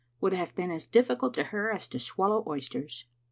— would have been as difficult to her as to swallow oysters.